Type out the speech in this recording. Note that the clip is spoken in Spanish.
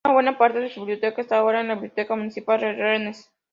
Una buena parte de su biblioteca está ahora en la biblioteca municipal de Rennes.